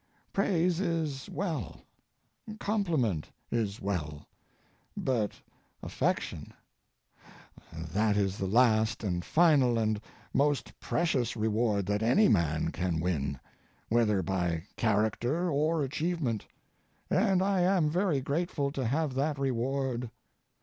Praise is well, compliment is well, but affection—that is the last and final and most precious reward that any man can win, whether by character or achievement, and I am very grateful to have that reward.